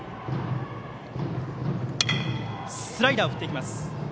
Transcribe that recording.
スライダーを振っていきました。